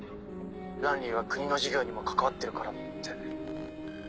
ランリーは国の事業にも関わってるからって。